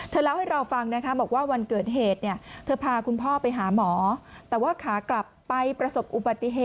เธอเล่าให้เราฟังนะคะบอกว่าวันเกิดเหตุ